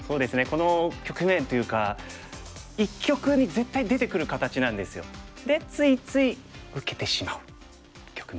この局面というか一局に絶対出てくる形なんですよ。でついつい受けてしまう局面ですかね。